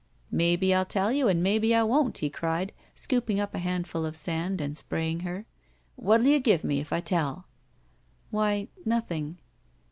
Maybe I'll tell you and maybe I won't," he cried, scooping up a handful of sand and spraying her. ''What '11 you give me if I tell?" "Why— nothing."